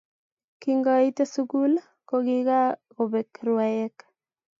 kingoite sukul ko kikakobek rwaek